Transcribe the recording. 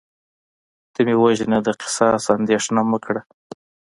ته مې وژنه د قصاص اندیښنه مه کړه